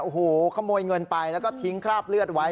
โอ้โหขโมยเงินไปแล้วก็ทิ้งคราบเลือดไว้